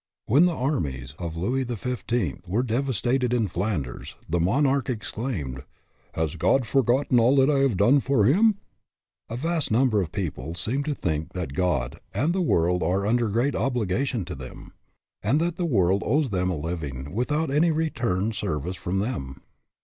When the armies of Louis XIV. were devas tated in Flanders, the monarch exclaimed: " Has God forgotten all that I have done for him ?" A vast number of people seem to think that God and the world are under great obli gations to them, and that the world owes them a living without any return service from them.